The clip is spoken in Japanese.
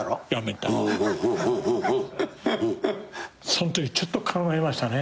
そんときちょっと考えましたね。